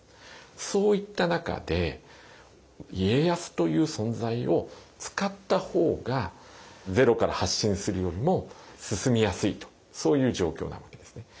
そういった中で家康という存在を使った方がゼロから発進するよりも進みやすいとそういう状況なわけですね。